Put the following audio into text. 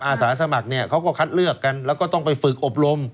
อาสาสมัครเนี่ยเขาก็คัดเลือกกันแล้วก็ต้องไปฝึกอบรม